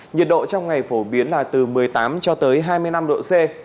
nhiệt độ trong ngày phổ biến là từ một mươi tám cho tới hai mươi năm độ c